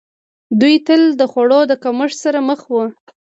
دوی تل د خوړو د کمښت سره مخ وو.